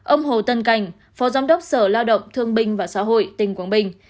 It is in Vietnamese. ông hồ tân cành phó giám đốc sở lao động thương bình và xã hội tỉnh quảng bình